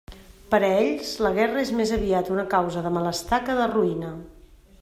Per a ells, la guerra és més aviat una causa de malestar que de ruïna.